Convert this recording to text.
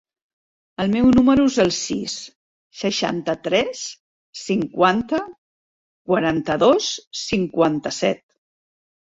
El meu número es el sis, seixanta-tres, cinquanta, quaranta-dos, cinquanta-set.